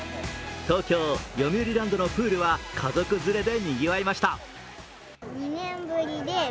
東京・よみうりランドのプールは家族連れでにぎわいました。